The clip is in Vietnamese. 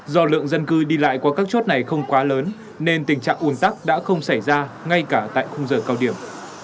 do lượng dân cư đi lại qua các chốt này không quá lớn nên tình trạng ủn tắc đã không xảy ra ngay cả tại khung giờ cao điểm